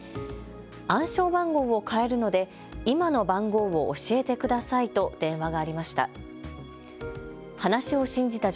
暗証番号を変えるので今の番号を教えてくださいと電話がありました。